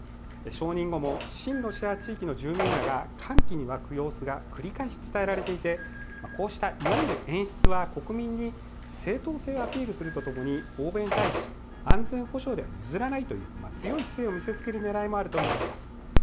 承認後も親ロシア地域の住民らが歓喜に沸く様子が繰り返し伝えられていてこうしたいわゆる演出は国民に正当性をアピールするとともに、欧米に対し、安全保障で譲らないという強い姿勢を見せつける狙いもあるとみられます。